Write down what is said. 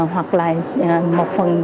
hoặc là một phần